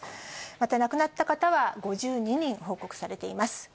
また、亡くなった方は５２人報告されています。